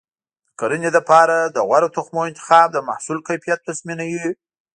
د کرنې لپاره د غوره تخمونو انتخاب د محصول کیفیت تضمینوي.